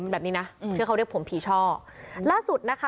วิทยาลัยศาสตรี